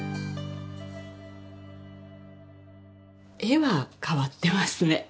絵は変わってますね。